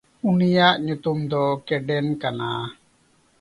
ᱩᱱᱤᱭᱟᱜ ᱧᱩᱛᱩᱢ ᱫᱚ ᱠᱮᱰᱮᱱ ᱠᱟᱱᱟ᱾